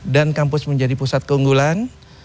dan kampus menjadi pusat keunggulan